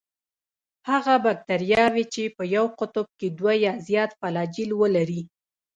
هغه باکتریاوې چې په یو قطب کې دوه یا زیات فلاجیل ولري.